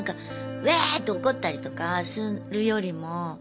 わって怒ったりとかするよりも。